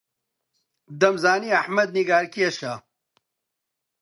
دەمزانی ئەحمەد نیگارکێشە.